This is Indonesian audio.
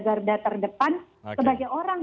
garda terdepan sebagai orang